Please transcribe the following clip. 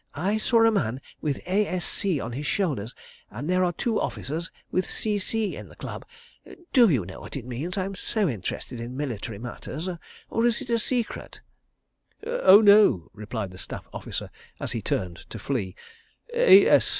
"I saw a man with 'A.S.C.' on his shoulders, and there are two officers with 'C.C.,' in the Club. ... Do you know what it means? I am so interested in military matters. Or is it a secret?" "Oh, no!" replied the staff officer, as he turned to flee. "'A.